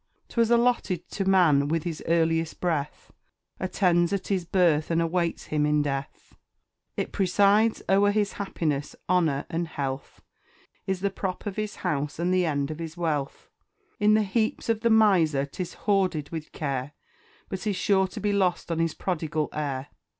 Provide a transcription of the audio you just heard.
'Twas allotted to man with his earliest breath, Attends at his birth, and awaits him in death; It presides o'er his happiness, honour, and health, Is the prop of his house, and the end of his wealth. In the heaps of the miser 'tis hoarded with care, But is sure to be lost on his prodigal heir.